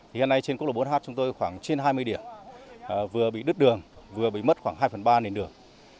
hiện nay trên quốc lộ bốn h chúng tôi khoảng trên hai mươi điểm vừa bị đứt đường vừa bị mất khoảng hai phần ba nền đường